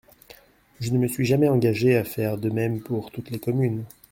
Je ne me suis jamais engagé à faire de même pour toutes les communes.